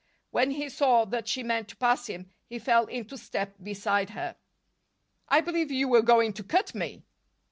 When he saw that she meant to pass him, he fell into step beside her. "I believe you were going to cut me!"